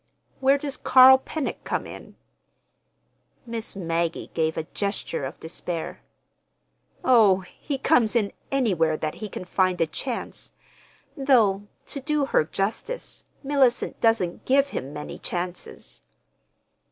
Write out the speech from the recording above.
"Where does Carl Pennock come in?" Miss Maggie gave a gesture of despair. "Oh, he comes in anywhere that he can find a chance; though, to do her justice, Mellicent doesn't give him—many chances."